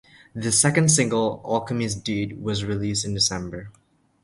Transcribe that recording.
The second single, "Alchemy's Dead," was released in December.